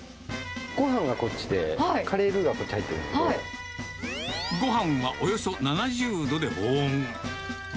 ごはんがこっちで、カレールごはんはおよそ７０度で保温。